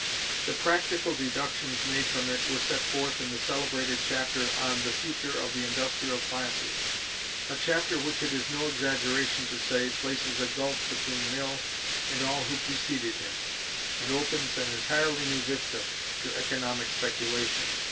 The practical deductions made from it were set forth in the celebrated chapter on "The Future of the Industrial Classes," a chapter which it is no exaggeration to say places a gulf between Mill and all who preceded him, and opens an entirely new vista to economic speculation.